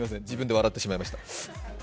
自分で笑ってしまいました。